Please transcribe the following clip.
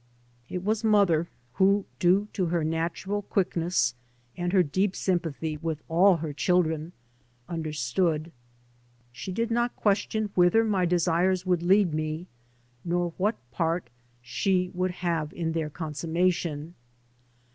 It abyGoogJc MY MOTHER AND I was mother who, due to her natural quickness and her deep sympathy with all her children, understood. She did not question whither my desires would lead me, nor what part she would have in their consummation.